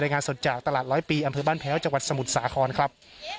งานสดจากตลาดร้อยปีอำเภอบ้านแพ้วจังหวัดสมุทรสาครครับ